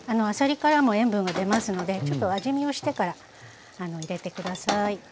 あさりからも塩分が出ますのでちょっと味見をしてから入れて下さい。